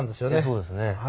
そうですね。